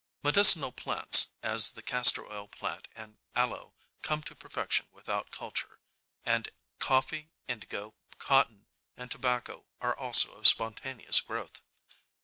Medicinal plants, as the castor oil plant and aloe, come to perfection without culture; and coffee, indigo, cotton and tobacco are also of spontaneous growth.